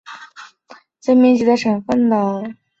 那不勒斯省是意大利人口最密集的省份。